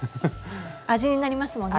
味になりますもんね。